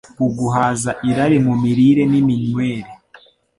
Uguhaza irari mu mirire n’iminywere